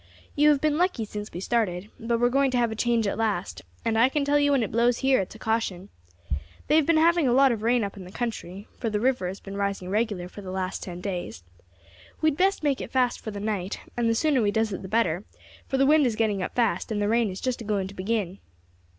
"You have been lucky since we started, but we are going to have a change at last; and I can tell you when it blows here it's a caution. They have been having a lot of rain up the country, for the river has been rising regular for the last ten days. We had best make fast for the night, and the sooner we does it the better, for the wind is getting up fast and the rain is just a going to begin."